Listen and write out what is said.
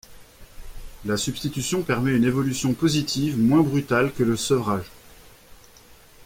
La substitution permet une évolution positive moins brutale que le sevrage.